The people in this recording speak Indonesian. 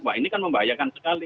wah ini kan membahayakan sekali